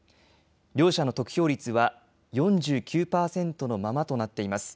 両者の得票率は４９％のままとなっています。